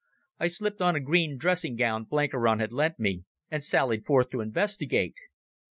I slipped on a green dressing gown Blenkiron had lent me, and sallied forth to investigate.